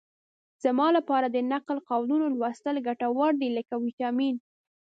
زما لپاره د نقل قولونو لوستل ګټور دي لکه ویټامین.